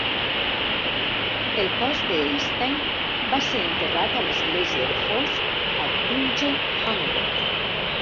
El cos d'Eystein va ser enterrat a l'església de "Foss" a Tunge Hundred.